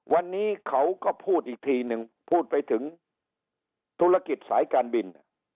วันนี้เขาก็พูดอีกทีนึงพูดไปถึงธุรกิจสายการบิน